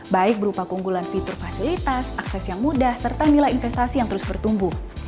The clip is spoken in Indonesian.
baik berupa keunggulan fitur fasilitas akses yang mudah serta nilai investasi yang terus bertumbuh